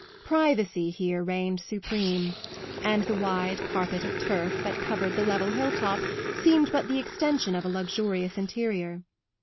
Privacy here reigned supreme, and the wide carpet of turf that covered the level hill top seemed but the extension of a luxurious interior.